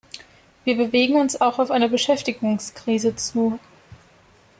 Wir bewegen uns auch auf eine Beschäftigungskrise zu.